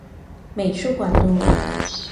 美術館路